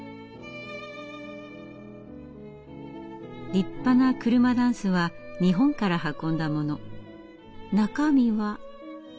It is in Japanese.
立派な車箪笥は日本から運んだもの。中身は？